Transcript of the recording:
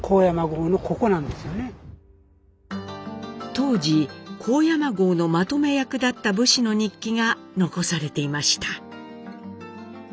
当時高山郷のまとめ役だった武士の日記が残されていました。